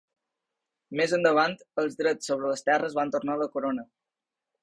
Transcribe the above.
Més endavant, els drets sobre les terres van tornar a la corona.